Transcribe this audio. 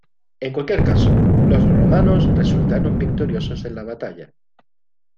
En cualquier caso, los romanos resultaron victoriosos en la batalla.